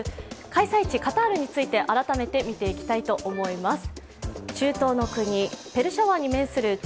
開催地カタールについて、改めて見ていきたいと思います。